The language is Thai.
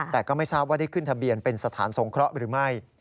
แต่ก็ไม่ทราบว่าได้ขึ้นทะเบียนเป็นสถานสงเคราะห์หรือไม่